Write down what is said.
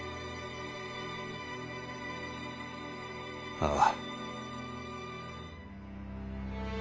ああ。